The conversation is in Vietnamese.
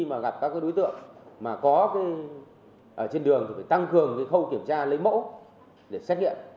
và các đối tượng mà có trên đường tăng cường khâu kiểm tra lấy mẫu để xét nghiệm